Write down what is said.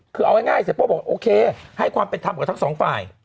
คือเอาง่ายเสียโป้บอกโอเคให้ความเป็นธรรมกับทั้งสองฝ่าย